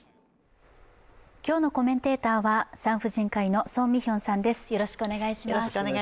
今日のコメンテーターは産婦人科医の宋美玄さんです。